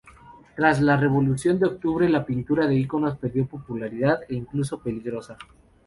Tras la revolución de octubre, la pintura de iconos perdió popularidad e incluso peligrosa.